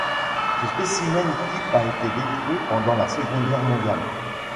Ce spécimen type a été détruit pendant la Seconde Guerre mondiale.